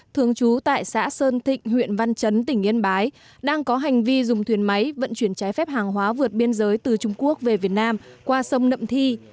thường trú tại xã sơn thịnh huyện văn chấn tỉnh yên bái đang có hành vi dùng thuyền máy vận chuyển trái phép hàng hóa vượt biên giới từ trung quốc về việt nam qua sông nậm thi